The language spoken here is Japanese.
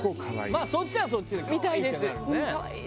まあそっちはそっちで「可愛い！」ってなるよね。